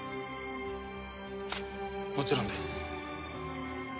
もちろんです。